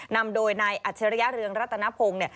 นำโดยนายอัจฉริยะเรืองรัตนพงศ์